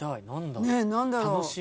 何だろう？